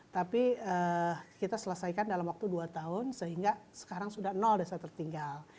tapi kita selesaikan dalam waktu dua tahun sehingga sekarang sudah desa tertinggal